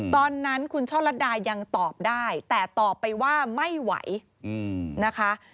ตอนนั้นคุณช่อลัดดายังตอบได้แต่ตอบไปว่าไม่ไหวนะคะ